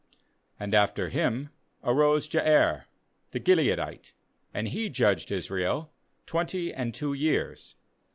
3And after him arose Jair* the Gil eadite; and he judged Israel twenty and two years.